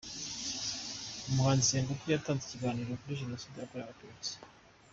Umuhanzi Samputu yatanze ikiganiro kuri Jenoside yakorewe Abatutsi